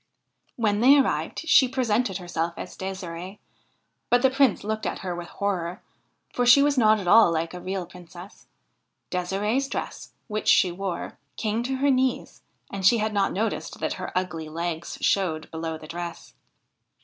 When they arrived she presented herself as Ddsirde ; but the Prince looked at her with horror, for she was not at all like a real Princess. De'sireVs dress, which she wore, came to her knees, and she had not noticed that her ugly legs showed below the dress.